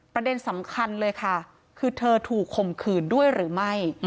ประเด็นสำคัญเลยค่ะคือเธอถูกข่มขืนด้วยหรือไม่